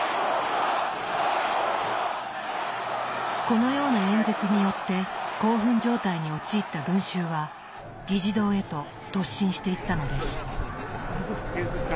このような演説によって興奮状態に陥った群衆は議事堂へと突進していったのです。